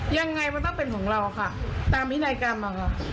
ยังไงมันต้องเป็นของเราค่ะตามวินัยกรรมอะค่ะ